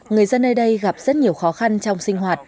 người dân nơi đây gặp rất nhiều khó khăn trong sinh hoạt